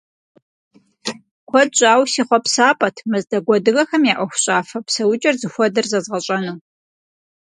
Куэд щӏауэ си хъуэпсапӏэт мэздэгу адыгэхэм я ӏуэхущӏафэ, псэукӏэр зыхуэдэр зэзгъэщӏэну.